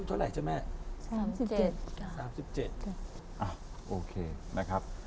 ว่ะโอเคนะครับ